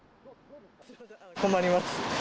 困ります。